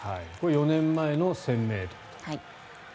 これ４年前の１０００ｍ。